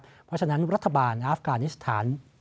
เพราะฉะนั้นรัฐบาลอาฟกานิสถาน